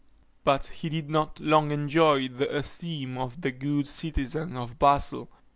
] But he did not long enjoy the esteem of the good citizens of Basle.